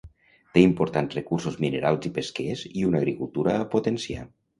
Té importants recursos minerals i pesquers i una agricultura a potenciar.